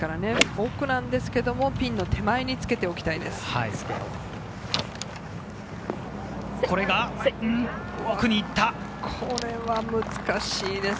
奥ですがピンの手前につけておきたいです。